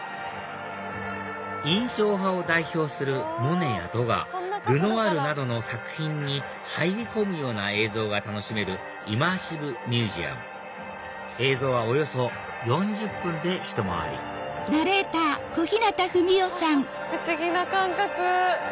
印象派を代表するモネやドガルノワールなどの作品に入り込むような映像が楽しめるＩｍｍｅｒｓｉｖｅＭｕｓｅｕｍ映像はおよそ４０分でひと回り不思議な感覚！